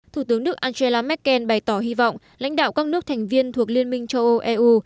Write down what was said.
thủ tướng đức angela merkel bày tỏ hy vọng lãnh đạo các nước thành viên thuộc liên minh châu âu eu